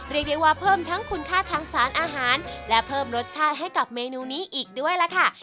เรียกได้ว่าเพิ่มทั้งคุณค่าทางสารอาหารและเพิ่มรสชาติให้กับเมนูนี้อีกด้วยล่ะค่ะ